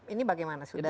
ini bagaimana sudah